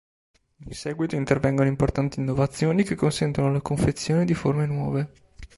In seguito intervengono importanti innovazioni, che consentono la confezione di forme nuove.